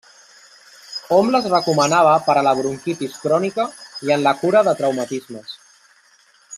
Hom les recomanava per a la bronquitis crònica i en la cura de traumatismes.